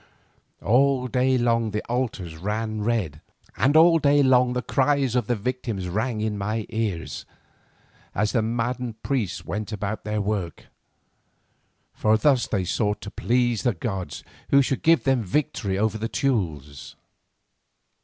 All day long the altars ran red, and all day long the cries of the victims rang in my ears, as the maddened priests went about their work. For thus they thought to please the gods who should give them victory over the Teules.